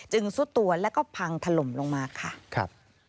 จึงสุดตัวแล้วก็พังถล่มลงมาค่ะ